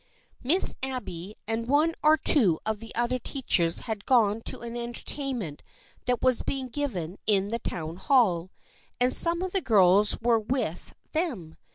Miss Abby and one or two of the other teachers had gone to an entertainment that was being given in the Town Hall, and some of the girls were with them.